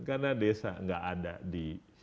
karena desa nggak ada di